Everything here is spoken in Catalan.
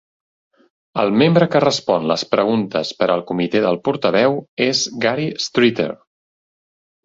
El membre que respon les preguntes per al comitè del portaveu és Gary Streeter.